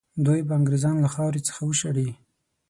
دوی به انګرېزان له خاورې څخه وشړي.